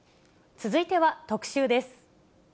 続いては特集です。